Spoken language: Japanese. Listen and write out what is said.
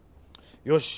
よし。